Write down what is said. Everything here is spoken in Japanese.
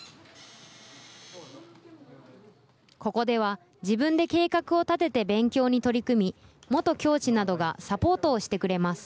ここでは、自分で計画を立てて勉強に取り組み、元教師などがサポートをしてくれます。